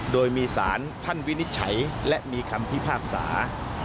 โดยมีสารท่านวินิจฉัยและมีคำพิพากษา